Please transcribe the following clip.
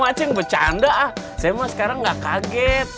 kamu ceng bercanda ah saya mah sekarang nggak kaget